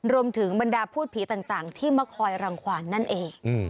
บรรดาพูดผีต่างที่มาคอยรังขวานนั่นเอง